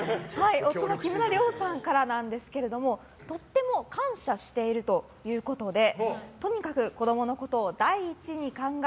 夫の木村了さんからなんですけれどもとても感謝しているということでとにかく子供のことを第一に考え